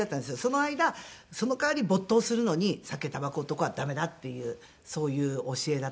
その間その代わり没頭するのに酒たばこ男はダメだっていうそういう教えだったんですよね。